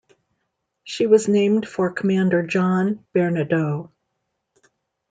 She was named for Commander John Bernadou.